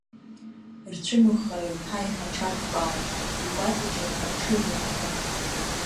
Рцәымыӷхара еиҳа-еиҳа аҽарҭбаауан игәаҵаҿы аҽырлакьҭо.